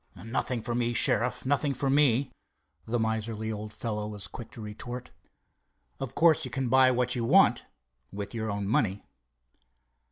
"Nothing for me, Sheriff, nothing for me," the miserly old fellow was quick to retort. "Of course you can buy what you want—with your own money."